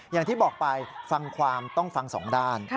อย่างที่บอกไปฟังความต้องฟังสองด้าน